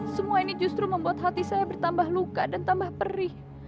semua ini justru membuat hati saya bertambah luka dan tambah perih